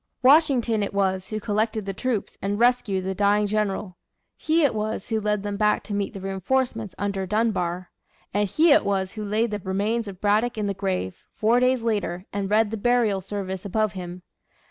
Washington it was who collected the troops and rescued the dying general. He it was who led them back to meet the reinforcements under Dunbar. And he it was who laid the remains of Braddock in the grave, four days later, and read the burial service above him.